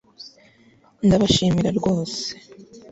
Ndabashimira rwose